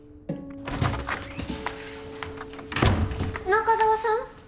中澤さん？